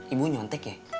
ibu nyontek ya